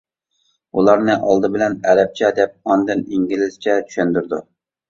ئۇلارنى ئالدى بىلەن ئەرەبچە دەپ، ئاندىن ئىنگلىزچە چۈشەندۈرىدۇ.